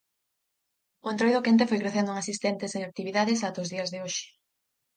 O Entroido Quente foi crecendo en asistentes e actividades ata os días de hoxe.